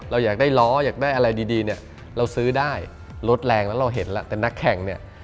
เราอยากได้ล้ออยากได้อะไรดีเนี่ยเราซื้อได้รถแรงแล้วเราเห็นแล้วแต่นักแข่งเนี่ย